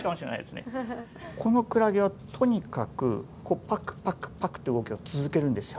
このクラゲはとにかくパクパクパクって動きを続けるんですよ。